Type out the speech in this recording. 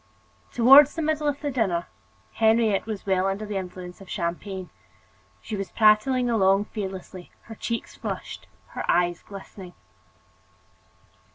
Toward the middle of the dinner, Henriette was well under the influence of champagne. She was prattling along fearlessly, her cheeks flushed, her eyes glistening.